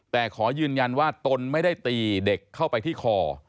แต่ขอยืนยันว่าตนไม่ได้ตีเด็กเข้าไปที่คอ